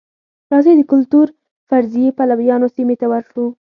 راځئ د کلتور فرضیې پلویانو سیمې ته ورشو.